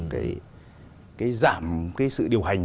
cái giảm cái sự điều hành